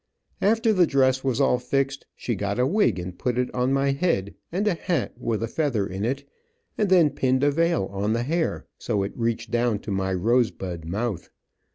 After the dress was all fixed, she got a wig and put it on my head, and a hat, with a feather in it, and then pinned a veil on the hair, so it reached down to my rose bud mouth.